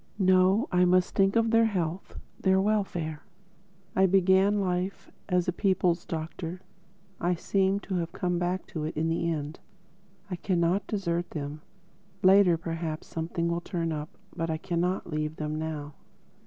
No. I must think of their health, their welfare. I began life as a people's doctor: I seem to have come back to it in the end. I cannot desert them. Later perhaps something will turn up. But I cannot leave them now."